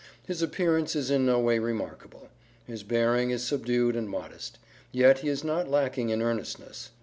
His appearance is in no way remarkable. His bearing is subdued and modest; yet he is not lacking in earnestness.